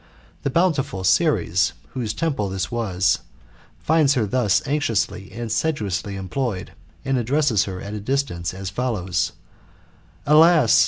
The bounciful Ceres, whose temple this was, finds her thus anxiously and 'sedulously employed, and addresses her, at a distance, as follows :'* Alas